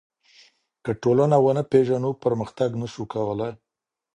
که ټولنه ونه پېژنو پرمختګ نسو کولای.